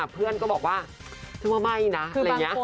เพื่อนก็บอกว่าฉันว่าไม่นะอะไรอย่างนี้